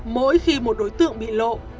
mỗi khi một đối tượng bị lộ